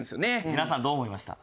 皆さんどう思いました？